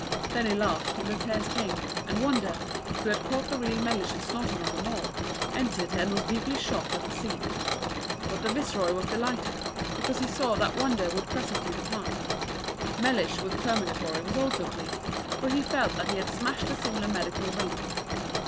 Then he laughed till the tears came, and Wonder, who had caught the real Mellishe snorting on the Mall, entered and was deeply shocked at the scene. But the Viceroy was delighted, because he saw that Wonder would presently depart. Mellish with the Fumigatory was also pleased, for he felt that he had smashed the Simla Medical 'Ring.'